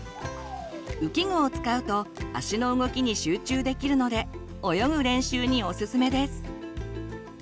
浮き具を使うと足の動きに集中できるので泳ぐ練習にオススメです。